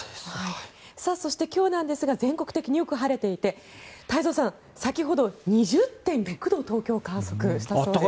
そして、今日なんですが全国的によく晴れていて太蔵さん、先ほど２０．６度東京、観測したそうです。